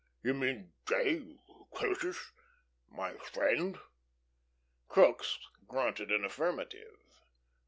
You mean J. Curtis my friend?" Crookes grunted an affirmative.